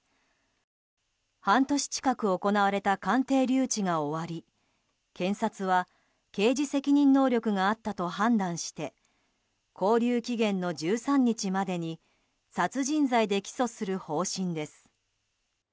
半年近く行われた鑑定留置が終わり検察は刑事責任能力があったと判断して勾留期限の１３日までに殺人罪で起訴する方針です。